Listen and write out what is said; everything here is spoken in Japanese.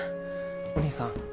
お義兄さん。